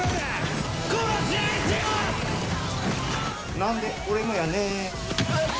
何で俺もやねん！